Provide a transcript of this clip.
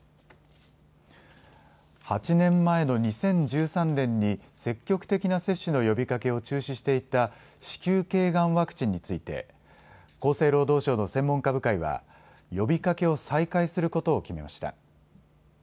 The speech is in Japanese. ８年前の２０１３年に積極的な接種の呼びかけを中止していた子宮けいがんワクチンについて厚生労働省の専門家部会は呼びかけを再開することを決めました。